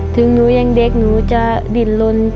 ถึงหนูยังเด็กหนูจะดิ้นลน